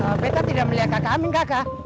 eee saya tidak melihat kakak amin kakak